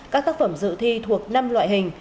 các tác phẩm dự thi thuộc năm loại hình